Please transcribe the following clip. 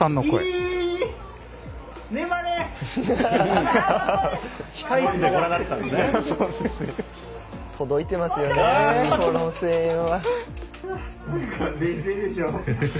この声援は。